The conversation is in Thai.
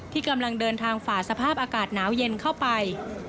กำลังเดินทางฝ่าสภาพอากาศหนาวเย็นเข้าไป